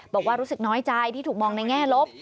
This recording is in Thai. บอกว่ารู้สึกน้อยใจที่ถูกมองในแง่ลบ